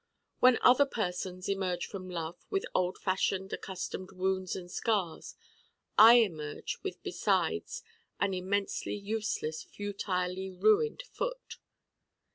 When other persons emerge from Love with the old fashioned accustomed wounds and scars I emerge with besides an immensely useless futilely ruined foot.